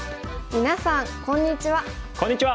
みなさんこんにちは。